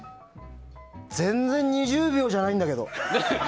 全然２０秒じゃないんだけど！